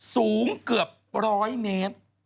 สูงเกือบ๑๐๐เมตร